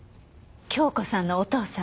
京子さんのお父さん。